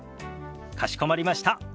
かしこまりました。